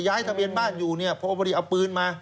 ย้ายทะเบียนบ้านอยู่เนี่ยเพราะพอพอดีเอาปืนมา